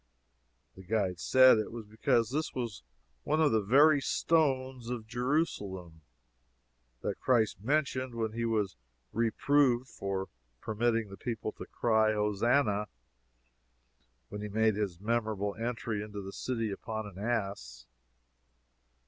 The guide said it was because this was one of "the very stones of Jerusalem" that Christ mentioned when he was reproved for permitting the people to cry "Hosannah!" when he made his memorable entry into the city upon an ass.